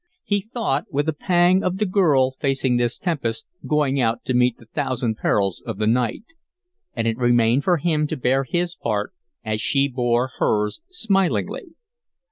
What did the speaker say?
He thought with a pang of the girl facing this tempest, going out to meet the thousand perils of the night. And it remained for him to bear his part as she bore hers, smilingly.